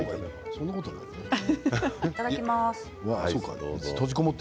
いただきます。